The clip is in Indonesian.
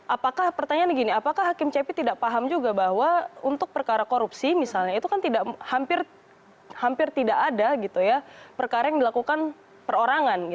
apakah pertanyaannya gini apakah hakim cepi tidak paham juga bahwa untuk perkara korupsi misalnya itu kan hampir tidak ada perkara yang dilakukan perorangan